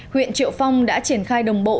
huyện triệu phong đã triển khai đồng bộ